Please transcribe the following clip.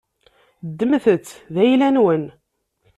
Ddmet-t d ayla-nwen.